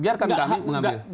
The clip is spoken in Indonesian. biar kami mengambil